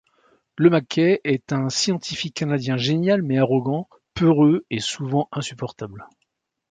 Le Mckay est un scientifique canadien génial mais arrogant, peureux et souvent insupportable.